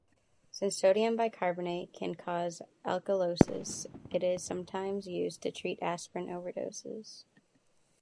Since sodium bicarbonate can cause alkalosis, it is sometimes used to treat aspirin overdoses.